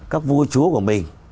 các vua chúa của mình